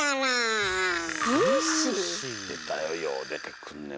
出たよよう出てくんねん